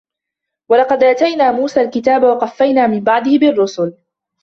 وَلَقَدْ آتَيْنَا مُوسَى الْكِتَابَ وَقَفَّيْنَا مِنْ بَعْدِهِ بِالرُّسُلِ ۖ